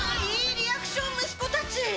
いいリアクション息子たち！